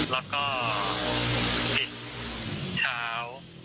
แล้วก็ดึกเช้า